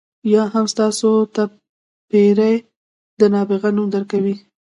یا هم تاسو ته پرې د نابغه نوم درکوي.